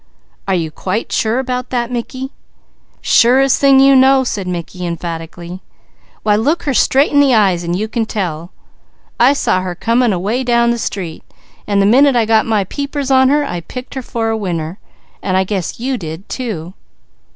"Are you quite sure about that Mickey?" "Surest thing you know," said Mickey emphatically. "Why look her straight in the eyes, and you can tell. I saw her coming away down the street, and the minute I got my peepers on her I picked her for a winner. I guess you did too."